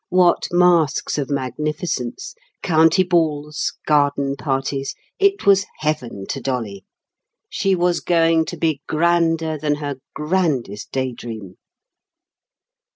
What masques of magnificence! county balls, garden parties! It was heaven to Dolly. She was going to be grander than her grandest daydream.